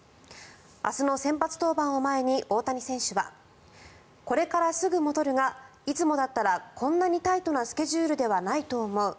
明日の先発登板を前に大谷選手はこれからすぐ戻るがいつもだったらこんなにタイトなスケジュールではないと思う